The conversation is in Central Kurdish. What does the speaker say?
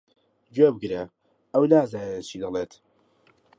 گوێبگرە، ئەو نازانێت چی دەڵێت.